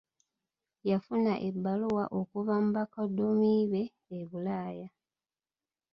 Yafuna ebbaluwa okuva mu bakodomi be e Bulaaya.